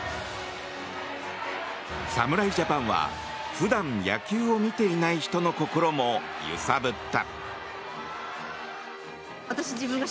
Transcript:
侍ジャパンは普段、野球を見ていない人の心も揺さぶった。